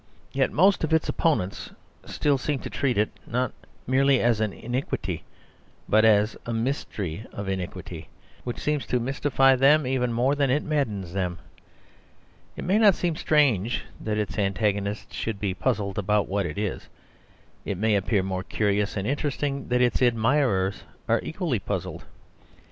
Yet most of its opponents still seem to treat it, not merely as an iniquity but as a mystery of iniquity, which seems to mystify them even more than it maddens them. It may not seem strange that its antagonists should be puzzled about what it is. It may appear more curious and interesting that its admirers are equally puzzled.